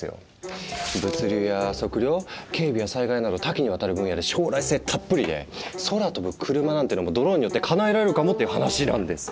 物流や測量警備や災害など多岐にわたる分野で将来性たっぷりで空飛ぶ車なんてのもドローンによってかなえられるかもっていう話なんですよ。